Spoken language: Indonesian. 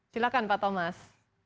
silahkan pak thomas